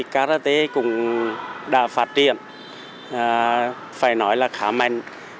karat cũng đã phát triển phải nói là khá mạnh